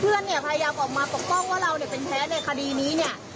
เพื่อนพยายามออกมาปกป้องว่าเราเป็นแพ้ในคดีนี้เนี่ย